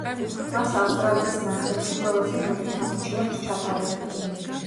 მას ავსტრალიის ნაკრებში ყველაზე მეტი მატჩი აქვს ჩატარებული.